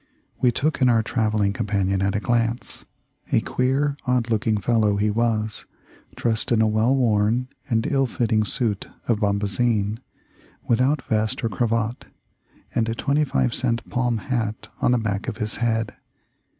We took in our travelling companion at a glance. A queer, odd looking fel low he was, dressed in a well worn and ill fitting suit of bombazine, without vest or cravat, and a twenty five cent palm hat on the back of his head.